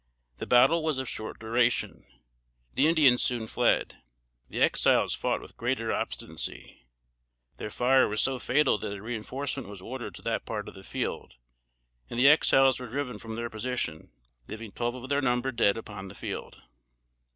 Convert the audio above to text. The battle was of short duration. The Indians soon fled. The Exiles fought with greater obstinacy. Their fire was so fatal that a reinforcement was ordered to that part of the field, and the Exiles were driven from their position, leaving twelve of their number dead upon the field.